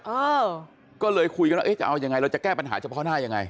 เออก็เลยคุยกันว่าเอ๊ะจะเอายังไงเราจะแก้ปัญหาเฉพาะหน้ายังไง